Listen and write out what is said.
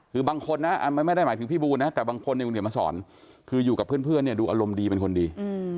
คือบางคนนะไม่ได้หมายถึงพี่บูนะแต่บางคนเนี่ยคุณเดี๋ยวมาสอนคืออยู่กับเพื่อนเนี่ยดูอารมณ์ดีเป็นคนดี